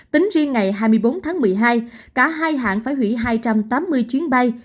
tính riêng ngày hai mươi bốn tháng một mươi hai cả hai hãng phải hủy hai trăm tám mươi chuyến bay